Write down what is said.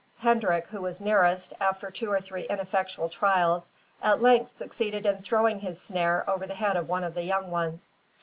Hendrik, who was nearest, after two or three ineffectual trials, at length succeeded in throwing his snare over the head of one of the young ones.